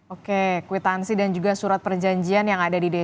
oke kwitansi dan juga surat perjanjian yang ada di dpd